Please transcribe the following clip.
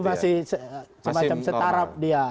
itu masih semacam setarap dia